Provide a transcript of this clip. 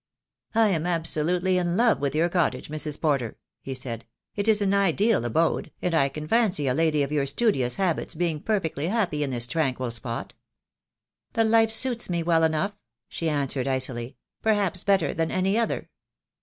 "I am absolutely in love with your cottage, Mrs. Porter," he said; "it is an ideal abode, and I can fancy THE DAY WILL COME. I2J a lady of your studious habits being perfectly happy in this tranquil spot." "The life suits me well enough," she answered, icily, "perhaps better than any other."